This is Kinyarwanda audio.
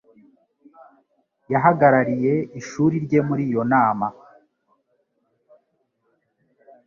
Yahagarariye ishuri rye muri iyo nama.